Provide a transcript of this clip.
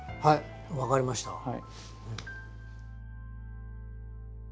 はい分かりました。